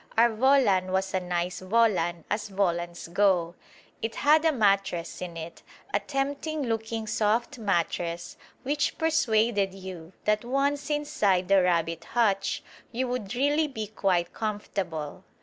Our volan was a nice volan as volans go. It had a mattress in it; a tempting looking soft mattress which persuaded you that, once inside the rabbit hutch, you would really be quite comfortable.